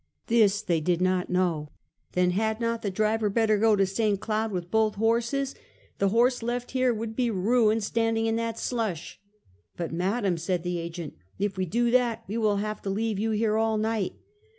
This they did not know. " Then had not the driver better go to St. Cloud with both horses? The horse left here would be ruined standing in that slush." "But, madam," said the agent, "if we do that we will have to leave you here all night."